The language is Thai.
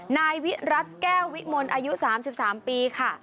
นายวิรัติแก้ววิมลอายุ๓๓ปีค่ะ